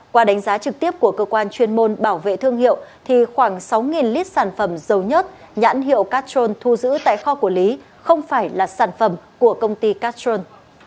qua đánh giá trực tiếp của cơ quan chuyên môn bảo vệ thương hiệu thì khoảng sáu lít sản phẩm dầu nhớt nhãn hiệu catrol thu giữ tại kho của lý không phải là sản phẩm của công ty castrol